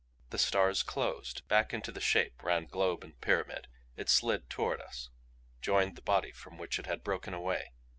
The stars closed. Back into the Shape ran globe and pyramid. It slid toward us joined the body from which it had broken away.